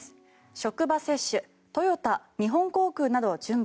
職場接種トヨタ、日本航空など準備。